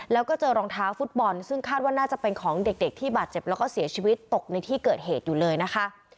แล้วก็เจอรองเท้าฟุตบอลซึ่งคาดว่าน่าจะเป็นของเด็กที่บาดเจ็บแล้วก็เสียชีวิตตกในที่เกิดเหตุอยู่เลยนะคะ